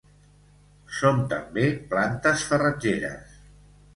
Són també plantes farratgeres.